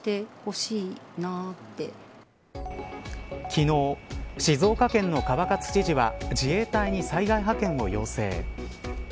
昨日、静岡県の川勝知事は自衛隊に災害派遣を要請。